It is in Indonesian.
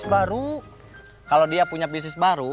kalau dia punya bisnis baru dia punya bisnis baru